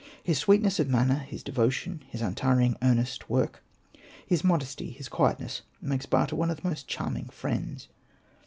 His sweetness of manner, his devotion, his untiringly earnest work, his modesty, his quietness, makes Bata to be one of the most charming friends.